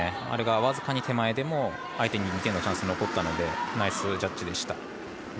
あれが僅かに手前でも相手に２点チャンスが残ったのでナイスジャッジでした。